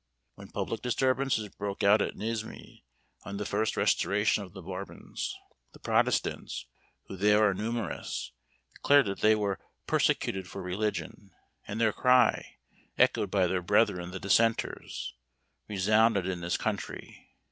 When public disturbances broke out at Nismes on the first restoration of the Bourbons, the protestants, who there are numerous, declared that they were persecuted for religion, and their cry, echoed by their brethren the dissenters, resounded in this country.